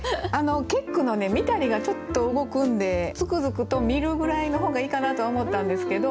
結句の「見たり」がちょっと動くんで「つくづくと見る」ぐらいの方がいいかなとは思ったんですけど。